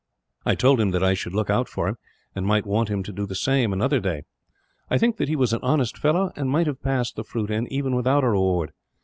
"I told him that I should look out for him, and might want him to do the same, another day. I think that he was an honest fellow, and might have passed the fruit in, even without a reward.